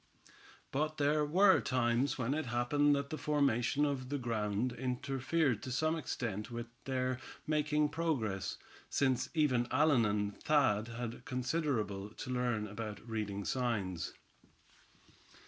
But there were times when it happened that the formation of the ground interfered to some extent with their making progress, since even Allan and Thad had considerable to learn about reading signs.